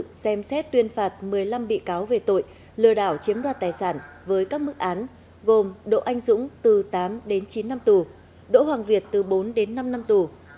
hội đồng xem xét tuyên phạt một mươi năm bị cáo về tội lừa đảo chiếm đoạt tài sản với các mức án gồm đỗ anh dũng từ tám đến chín năm tù đỗ hoàng việt từ bốn đến năm năm tù